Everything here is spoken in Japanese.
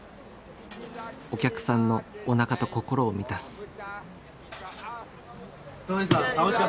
お客さんのおなかと心を満たす。